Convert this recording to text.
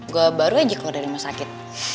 gue baru aja keluar dari rumah sakit